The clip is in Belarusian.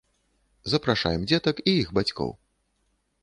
Запрашаем дзетак і іх бацькоў!